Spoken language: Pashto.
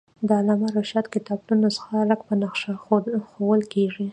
د علامه رشاد کتابتون نسخه رک په نخښه ښوول کېږي.